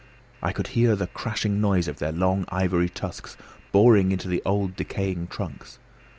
I could hear the crashing noise of their long ivory tusks boring into the old decaying trunks.